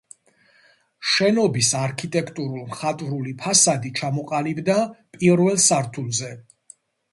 შენობის არქიტექტურულ-მხატვრული ფასადი ჩამოყალიბდა პირველ სართულზე.